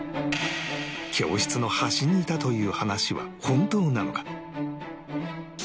教室の端にいたという話は本当なのか？